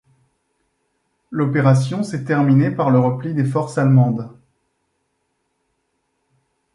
L'opération s'est terminée par le repli des forces allemandes.